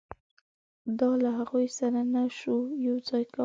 دا له هغوی سره نه شو یو ځای کولای.